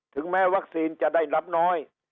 ถึงแม้วัคซีนจะได้รับน้อย